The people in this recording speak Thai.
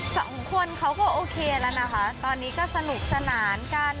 สองคนเขาก็โอเคแล้วนะคะตอนนี้ก็สนุกสนานกัน